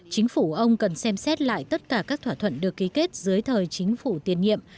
chính phủ ông cần xem xét lại tất cả các thỏa thuận được ký kết dưới thời chính phủ tiền nhiệm